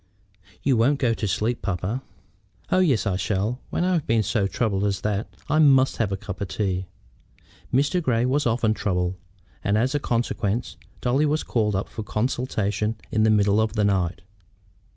"You won't go to sleep, papa?" "Oh yes, I shall. When I've been so troubled as that I must have a cup of tea." Mr. Grey was often troubled, and as a consequence Dolly was called up for consultations in the middle of the night.